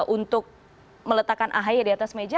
untuk meletakkan ahy di atas meja